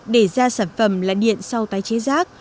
để ra sản phẩm là điện sau tái chế rác